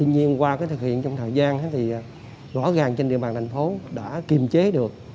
nhưng qua thực hiện trong thời gian thì rõ ràng trên địa bàn thành phố đã kiềm chế được